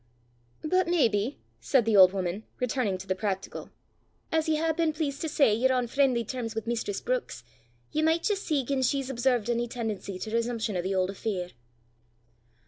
"But maybe," said the old woman, returning to the practical, "as ye hae been pleased to say ye're on freen'ly terms wi' mistress Brookes, ye micht jist see gien she's observed ony ten'ency to resumption o' the auld affair!"